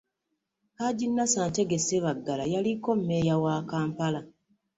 Hajji Nasser Ntege Ssebaggala, yaliko mmeeya wa Kampala.